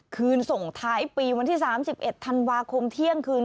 คืนส่งท้ายปีวันที่๓๑ธันวาคมเที่ยงคืน